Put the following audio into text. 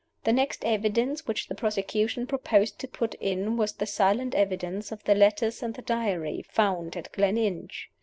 The next evidence which the prosecution proposed to put in was the silent evidence of the letters and the Diary found at Gleninch.